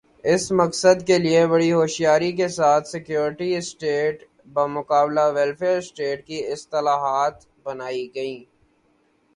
اس مقصد کے لئے بڑی ہوشیاری کے ساتھ سیکورٹی سٹیٹ بمقابلہ ویلفیئر سٹیٹ کی اصطلاحات بنائی گئیں۔